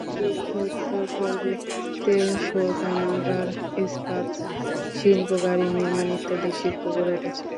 কিন্তু যুদ্ধোত্তর পর্বে তেল শোধনাগার, ইস্পাত শিল্প, গাড়ি নির্মাণ ইত্যাদি শিল্প গড়ে উঠেছে।